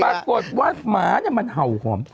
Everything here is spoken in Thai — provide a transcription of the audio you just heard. ปรากฏว่าหมาเนี่ยมันเห่าห่อม